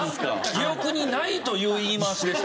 記憶にないという言い回しでしたけど。